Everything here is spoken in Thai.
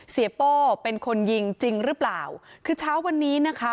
โป้เป็นคนยิงจริงหรือเปล่าคือเช้าวันนี้นะคะ